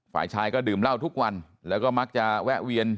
ฝ่ายชายก็ดื่มเหล้าทุกวันแล้วก็มักจะแวะเวียน